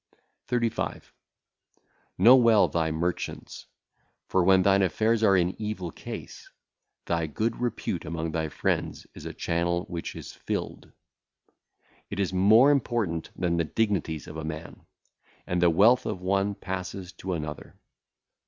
35. Know well thy merchants; for when thine affairs are in evil case, thy good repute among thy friends is a channel (?) which is filled. It is more important than the dignities of a man; and the wealth of one passeth to another.